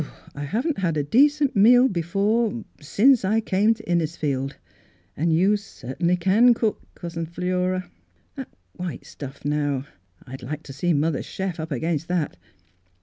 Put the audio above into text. " I haven't had a decent meal before, since I came to Innisfield ; and you cer tainly can cook, Cousin Philura. That white stuff, now. I'd like to see mother's chef up against that.